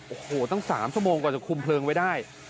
โอ้โหตั้ง๓ชั่วโมงกว่าจะคุมเพลิงไว้ได้